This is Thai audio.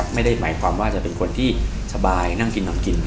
ไม่ได้หมายความว่าจะเป็นคนที่สบายนั่งกินนอนกิน